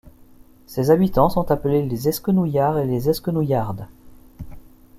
Ses habitants sont appelés les Esquenouillards et les Esquenouillardes.